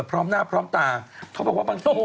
พ่อแม่สอนหนูแหละ